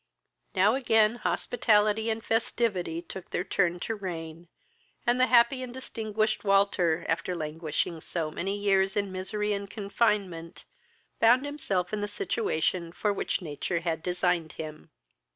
Now again hospitality and festivity took their turn to reign, and the happy and distinguished Walter, after languishing so many years in misery and confinement, found himself in the situation for which nature had designed him.